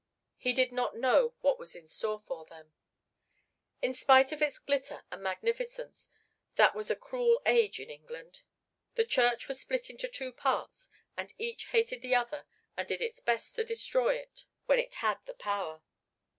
He did not know what was in store for them. In spite of its glitter and magnificence that was a cruel age in England. The Church was split into two parts and each hated the other and did its best to destroy it when it had the power.